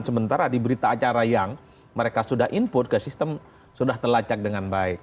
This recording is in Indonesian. sementara di berita acara yang mereka sudah input ke sistem sudah terlacak dengan baik